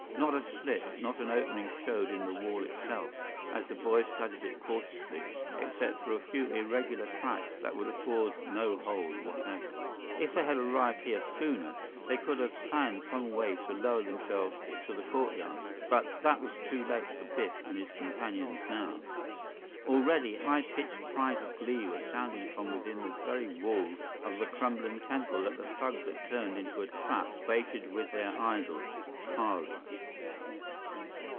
Not a slit, not an opening showed in the wall itself, as the boys studied it cautiously, except for a few irregular cracks that would afford no hold whatever. If they had arrived here sooner, they could have planned some way to lower themselves to the courtyard, but that was too late for Biff and his companions now. Already, high pitched cries of glee were sounding from within the very walls of the crumbling temple that the thugs had turned into a trap baited with their idol, Kali.